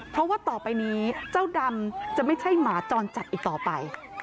เพราะว่าต่อไปนี้เจ้าดำจะไม่ใช่หมาจรจัดอีกต่อไป